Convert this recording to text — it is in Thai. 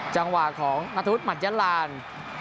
จังหวะของนัทธุษย์มันยัลลานด์